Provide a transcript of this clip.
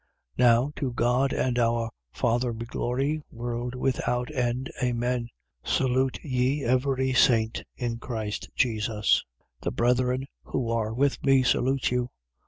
4:20. Now to God and our Father be glory, world without end. Amen. 4:21. Salute ye every saint in Christ Jesus. 4:22. The brethren who are with me salute you.